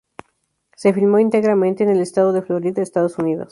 Se filmó íntegramente en el estado de Florida, Estados Unidos.